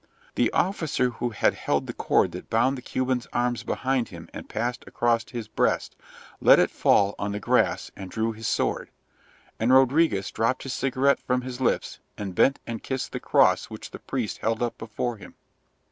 The officer who had held the cord that bound the Cuban's arms behind him and passed across his breast, let it fall on the grass and drew his sword, and Rodriguez dropped his cigarette from his lips and bent and kissed the cross which the priest held up before him.